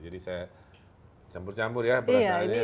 jadi saya campur campur ya perasaannya